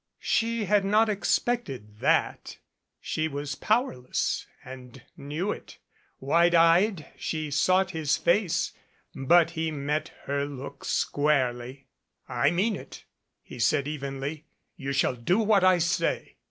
She had not expected that. She was powerless and knew it. Wide eyed she sought his face, but he met her look squarely. "I mean it," he said evenly. "You shall do what I say."